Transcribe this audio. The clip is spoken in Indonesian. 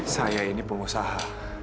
saya ini pengusaha